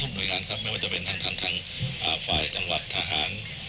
ไม่ว่าจะเป็นทางฝ่ายจังหวัดทหาร